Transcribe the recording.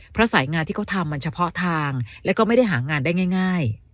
เพราะสายงานที่เขาทำมันเฉพาะทางแล้วก็ไม่ได้หางานได้ง่าย